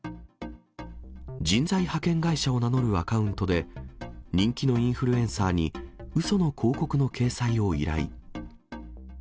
人材派遣会社を名乗るアカウントで、人気のインフルエンサーにうその広告の掲載を依頼。